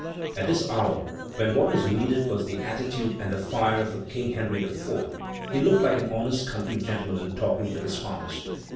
At this hour, when what was needed was the attitude and the fire of a Henry IV., he looked like an honest country gentleman talking with his farmers.